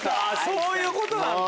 そういうことなんだ！